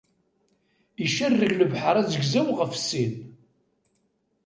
Icerreg lebḥer azeggaɣ ɣef sin.